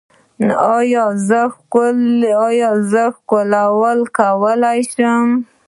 ایا زه ښکلول کولی شم؟